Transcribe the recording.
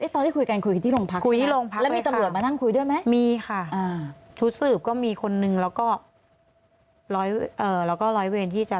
ตอนที่คุยกันคุยกันที่โรงพักใช่ไหมคุยที่โรงพักเลยค่ะ